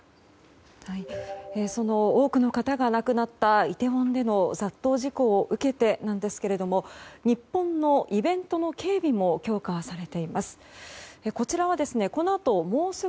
その多くの方がなくなったイテウォンでの雑踏事故を受けてなんですけれども日本のイベントの警備も強化されています。